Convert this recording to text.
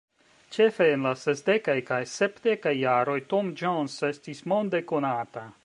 Ĉefe en la sesdekaj kaj sepdekaj jaroj Tom Jones estis monde konata.